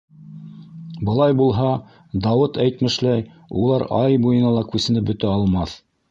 Былай булһа, Дауыт әйтмешләй, улар ай буйына ла күсенеп бөтә алмаҫ.